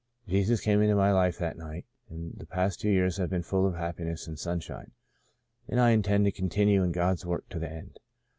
Jesus came into my life that night, and the past two years have been full of happiness and sunshine, and I intend to continue in God's work to the end.